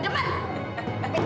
eh giliran aja giliran